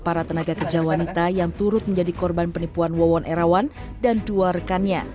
para tenaga kejahuan nita yang turut menjadi korban penipuan wawon era satu dan dua rekannya